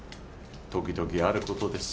時々ある事です。